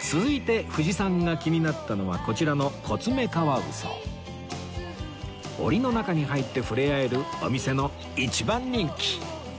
続いて藤さんが気になったのはこちらの檻の中に入って触れ合えるお店の一番人気